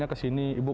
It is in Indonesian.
jadi sifat ibu